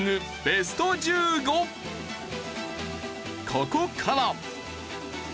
ここから。